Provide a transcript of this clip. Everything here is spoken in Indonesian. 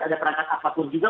ada perangkat akvatur juga